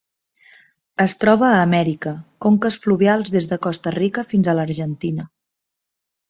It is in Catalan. Es troba a Amèrica: conques fluvials des de Costa Rica fins a l'Argentina.